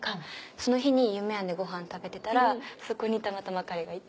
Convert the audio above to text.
その日に夢庵でごはん食べてたらそこにたまたま彼がいて。